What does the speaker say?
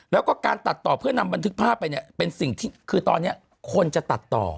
แล้วก็การตัดต่อเพื่อนำบันทึกภาพไปเนี่ยเป็นสิ่งที่คือตอนนี้คนจะตัดต่อ